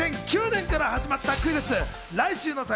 ２００９年から始まったクイズッス。